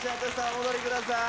お戻りください